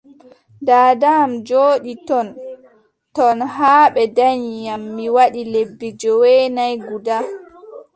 Daada am jooɗi ton ton haa ɓe danyi am mi waɗi lebbi joweenay guda.